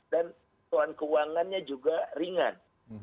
dan kondisi kewangannya juga ringan